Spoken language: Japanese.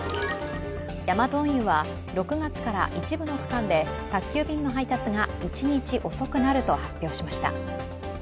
ヤマト運輸は６月から一部の区間で宅急便の配達が１日遅くなると発表しました。